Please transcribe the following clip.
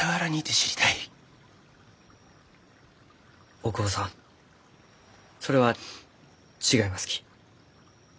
大窪さんそれは違いますき。